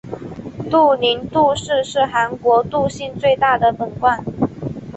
杜陵杜氏是韩国杜姓最大的本贯。